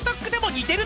似てる。